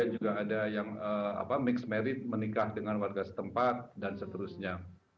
juga ada yang mix marrit menikah dengan warga setempat dan seterusnya